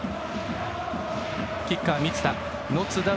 キッカーは満田。